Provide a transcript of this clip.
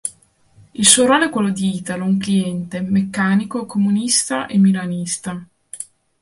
Il suo ruolo è quello di Italo, un cliente, meccanico, comunista e milanista.